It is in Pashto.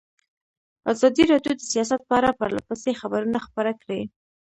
ازادي راډیو د سیاست په اړه پرله پسې خبرونه خپاره کړي.